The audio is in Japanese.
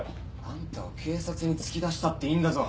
あんたを警察に突き出したっていいんだぞ。